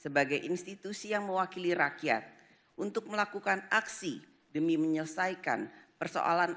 sebagai institusi yang mewakili rakyat untuk melakukan aksi demi menyelesaikan persoalan